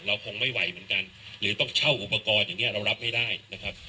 คงไม่ไหวเหมือนกันหรือต้องเช่าอุปกรณ์อย่างนี้เรารับไม่ได้นะครับ